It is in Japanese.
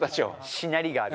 しなりがある。